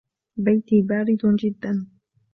بيتي بارد جدا.